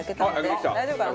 大丈夫かな？